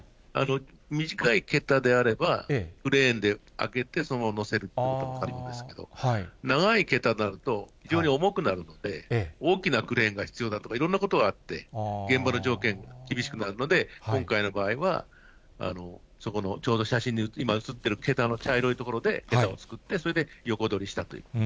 短い桁であれば、クレーンで上げてそのまま載せるということもあるんですけど、長い桁になると、非常に重くなるので、大きなクレーンが必要だとか、いろんなことがあって、現場の条件、厳しくなるので今回の場合は、そこのちょうど写真に、今映っている桁の茶色い所で、桁を作ってそれを横取りしたと。